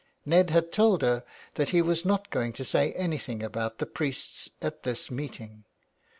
Ned had told her that he was not going to say any thing about the priests at this meeting.